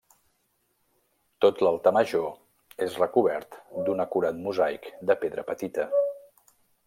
Tot l'altar major és recobert d'un acurat mosaic de pedra petita.